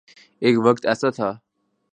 ایک وقت ایسا تھا۔